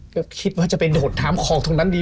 ก็คิดว่าจะไปโดดน้ำคลองตรงนั้นดี